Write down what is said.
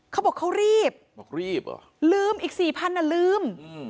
เขาบอกเขารีบลืมอีก๔๐๐๐น่ะลืม